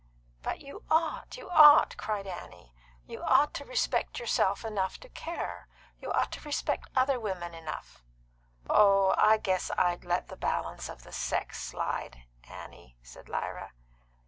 "But you ought you ought!" cried Annie. "You ought to respect yourself enough to care. You ought to respect other women enough." "Oh, I guess I'd let the balance of the sex slide, Annie," said Lyra.